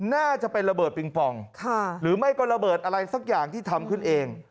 น่าจะเป็นระเบิดปิงปองหรือไม่ก็ระเบิดอะไรสักอย่างที่ทำขึ้นเอง